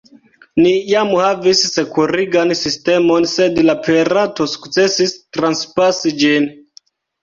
Ni jam havis sekurigan sistemon, sed la pirato sukcesis transpasi ĝin.